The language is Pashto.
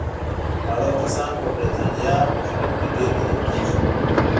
دا ډول کسان په برېټانیا په جنوب کې ډېر لیدل کېدل.